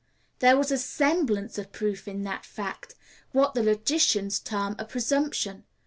There was a semblance of proof in that fact what the logicians term a presumption.